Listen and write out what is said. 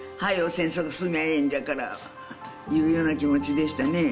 戦争が済みゃええんじゃからいうような気持ちでしたね